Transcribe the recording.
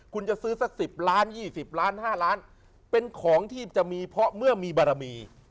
คุณจะซื้อสัก๑๐ล้าน๒๐ล้าน๕ล้านเป็นของที่จะมีเพราะเมื่อมีบารมี